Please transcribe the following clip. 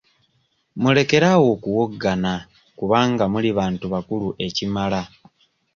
Mulekere awo okuwoggana kubanga muli bantu bakulu ekimala.